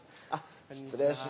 失礼します。